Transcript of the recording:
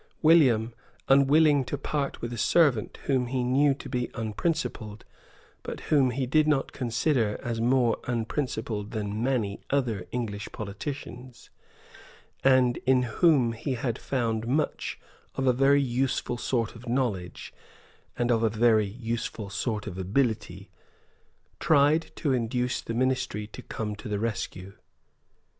William, unwilling to part with a servant whom he knew to be unprincipled, but whom he did not consider as more unprincipled than many other English politicians, and in whom he had found much of a very useful sort of knowledge, and of a very useful sort of ability, tried to induce the ministry to come to the rescue.